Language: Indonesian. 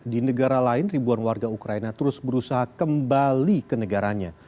di negara lain ribuan warga ukraina terus berusaha kembali ke negaranya